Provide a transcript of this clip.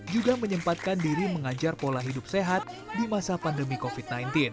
juga menyempatkan diri mengajar pola hidup sehat di masa pandemi covid sembilan belas